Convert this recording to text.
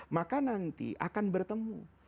maka nanti akan bertemu